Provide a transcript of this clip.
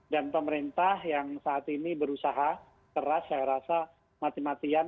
dan pemerintah yang saat ini berusaha keras saya rasa mati matian